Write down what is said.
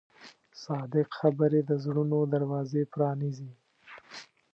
صادق خبرې د زړونو دروازې پرانیزي.